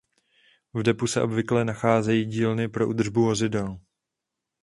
V depu se obvykle nacházejí dílny pro údržbu vozidel.